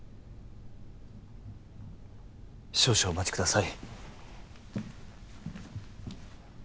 少々お待ちください